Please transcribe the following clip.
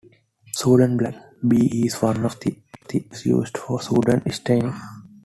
Sudan Black B is one of the dyes used for Sudan staining.